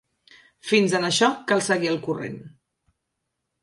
Fins en això cal seguir el corrent.